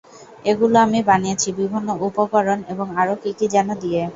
এগুলো আমি বানিয়েছি, বিভিন্ন উপকরণ এবং আরো কি কি যেনো দিয়ে।